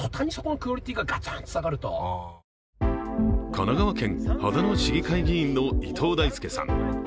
神奈川県秦野市議会議員の伊藤大輔さん。